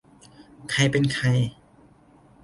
ใครเป็นใคร